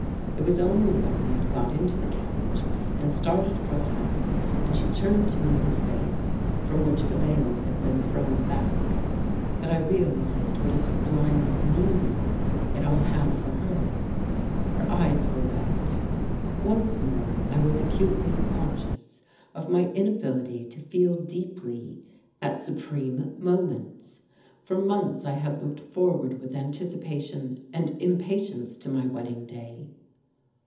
It was only when we had got into the carriage and started for the house and she turned to me her face from which the veil had been thrown back that I realized what a sublime meaning it all had for her. Her eyes were wet. Once more I was acutely conscious of my inability to feel deeply at supreme moments. For months I had looked forward with anticipation and impatience to my wedding day.